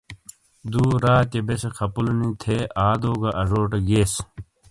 دو راتیئے بیسے خپلو نی تھے آدو گا اجوٹے گیئس۔